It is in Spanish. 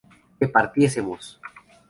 que partiésemos